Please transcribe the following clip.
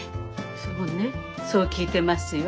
そうねそう聞いてますよ。